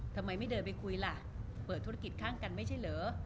ทำไมไม่เดินไปคุยล่ะเปิดธุรกิจข้างกันไม่ใช่เหรอ